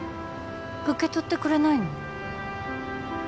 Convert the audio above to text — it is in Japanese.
受け取ってくれないの？